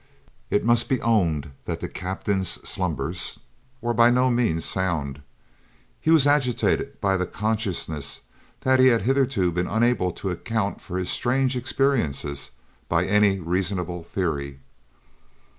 It must be owned that the captain's slumbers were by no means sound; he was agitated by the consciousness that he had hitherto been unable to account for his strange experiences by any reasonable theory.